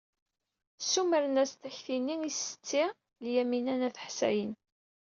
Ssumren-as-d takti-nni i Setti Lyamina n At Ḥsayen.